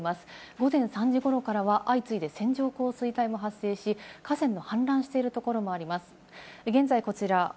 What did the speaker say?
午前３時頃からは相次いで線状降水帯も発生し、河川の氾濫しているところもあります。